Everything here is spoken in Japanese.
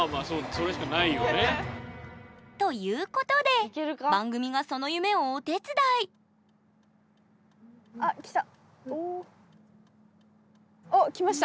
それしかないよね。ということで番組がその夢をお手伝いＯＫ！わ！来た！